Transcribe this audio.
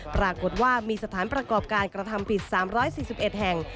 ปรากฏว่ามีสถานประกอบการกระทำผิด๓๔๑แห่ง